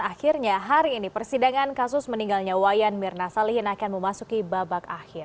akhirnya hari ini persidangan kasus meninggalnya wayan mirna salihin akan memasuki babak akhir